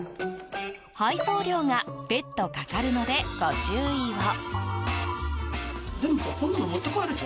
配送料が別途かかるのでご注意を。